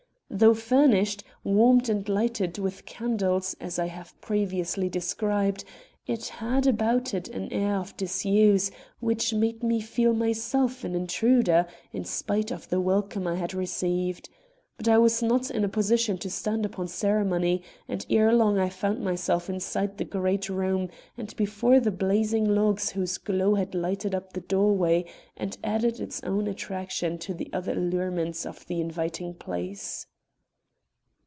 Though furnished, warmed and lighted with candles, as I have previously described, it had about it an air of disuse which made me feel myself an intruder, in spite of the welcome I had received. But I was not in a position to stand upon ceremony, and ere long I found myself inside the great room and before the blazing logs whose glow had lighted up the doorway and added its own attraction to the other allurements of the inviting place.